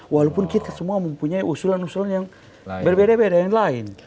walaupun kita semua mempunyai usulan usulan yang berbeda beda yang lain